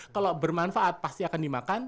kalau bermanfaat pasti akan dimakan